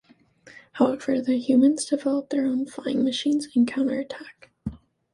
However the humans develop their own flying machines and counterattack.